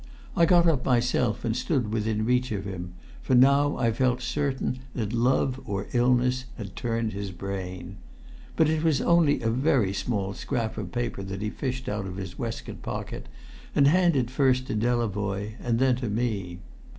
I got up myself and stood within reach of him, for now I felt certain that love or illness had turned his brain. But it was only a very small scrap of paper that he fished out of his waistcoat pocket, and handed first to Delavoye and then to me.